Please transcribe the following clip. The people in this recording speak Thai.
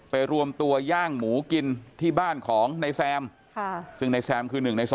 รวมตัวย่างหมูกินที่บ้านของนายแซมซึ่งนายแซมคือ๑ใน๒